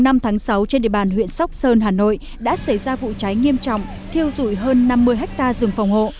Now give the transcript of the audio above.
từ ngày năm tháng sáu trên địa bàn huyện sóc sơn hà nội đã xảy ra vụ cháy nghiêm trọng thiêu rụi hơn năm mươi hectare rừng phòng hộ